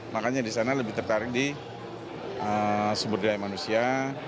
makanya di sana lebih tertarik di sumber daya manusia